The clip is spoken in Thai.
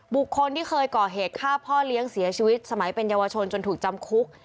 บุคคลที่เคยก่อเหตุฆ่าพ่อเลี้ยงเสียชีวิตสมัยเป็นเยาวชนจนถูกจำคุก